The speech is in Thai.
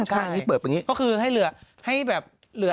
ก็คือให้เหลือ